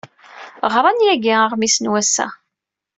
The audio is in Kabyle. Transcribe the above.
Ɣran yagi aɣmis n wass-a.